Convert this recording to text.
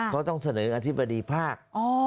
เขาต้องเสนออธิบดีภาค